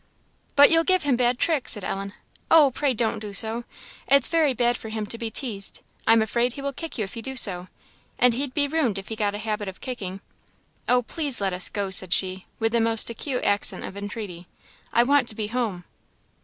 "But you'll give him bad tricks!" said Ellen. "Oh, pray, don't do so! It's very bad for him to be teased. I am afraid he will kick if you do so, and he'd be ruined if he got a habit of kicking. Oh, please let us go!" said she, with the most acute accent of entreaty "I want to be home."